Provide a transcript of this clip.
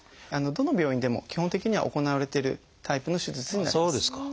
どの病院でも基本的には行われてるタイプの手術になります。